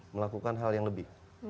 melakukan hal yang lebih